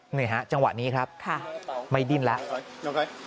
นี่ฮะจังหวะนี้ครับไม่ดิ้นแล้ว